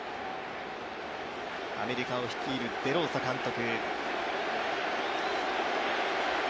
アメリカを率いるデローサ監督。